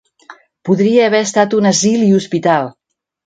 Podria haver estat un asil i hospital.